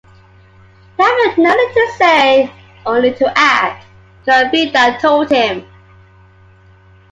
"You have nothing to say, only to add," Gore Vidal told him.